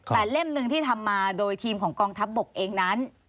แต่เล่มหนึ่งที่ทำมาโดยทีมของกองทัพบกเองนั้น